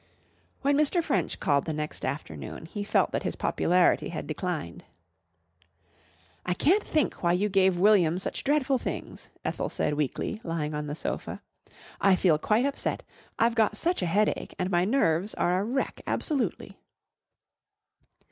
When Mr. French called the next afternoon, he felt that his popularity had declined. "I can't think why you gave William such dreadful things," Ethel said weakly, lying on the sofa. "I feel quite upset. I've got such a headache and my nerves are a wreck absolutely."